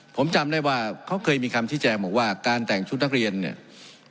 ผมจำได้ว่าเขาเคยมีคำชี้แจงบอกว่าการแต่งชุดนักเรียนเนี่ย